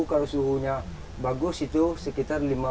kalau suhunya bagus itu sekitar lima